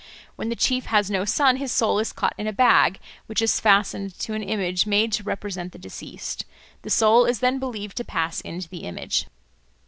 When the chief has no son, his soul is caught in a bag, which is fastened to an image made to represent the deceased; the soul is then believed to pass into the image.